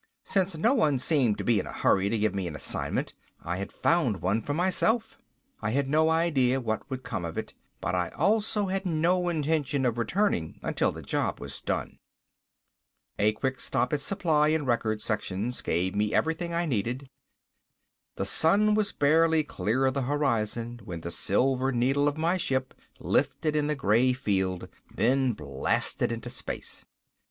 Since no one seemed to be in a hurry to give me an assignment I had found one for myself. I had no idea of what would come if it, but I also had no intention of returning until the job was done. A quick stop at supply and record sections gave me everything I needed. The sun was barely clear of the horizon when the silver needle of my ship lifted in the gray field, then blasted into space.